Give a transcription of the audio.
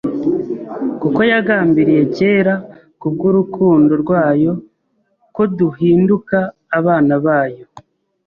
kuko yagambiriye kera k’ubwo urukundo rwayo koduhinduka abana bayo